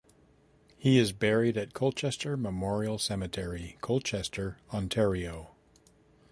He is buried at Colchester Memorial Cemetery, Colchester, Ontario.